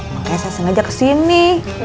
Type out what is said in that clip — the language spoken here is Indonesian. makanya saya sengaja kesini